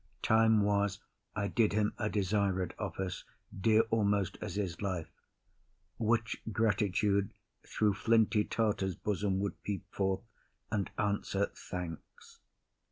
Time was I did him a desired office, Dear almost as his life; which gratitude Through flinty Tartar's bosom would peep forth, And answer thanks.